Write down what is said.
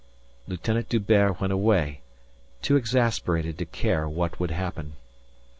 Lieutenant D'Hubert went away, too exasperated to care what would happen.